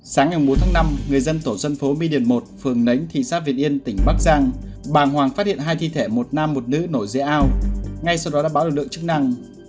sáng ngày bốn tháng năm người dân tổ dân phố mi điền một phường nánh thị xác việt yên tỉnh bắc giang bàng hoàng phát hiện hai thi thể một nam một nữ nổi dễ ao ngay sau đó đã báo lực lượng chức năng